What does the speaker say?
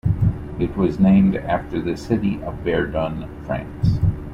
It was named after the city of Verdun, France.